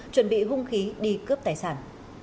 chuẩn bị hung khí đi cướp tài sản